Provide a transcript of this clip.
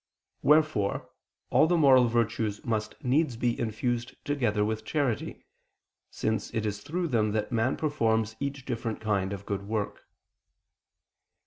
Wherefore all the moral virtues must needs be infused together with charity, since it is through them that man performs each different kind of good work.